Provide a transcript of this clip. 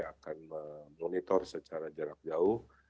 akan memonitor secara jarak jauh